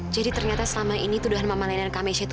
jadi ternyata selama ini tuduhan mama lainnya nika mesya itu